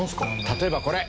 例えばこれ。